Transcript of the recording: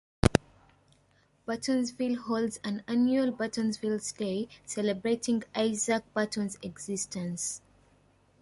Burtonsville holds an annual "Burtonsville Day", celebrating Isaac Burton's existence.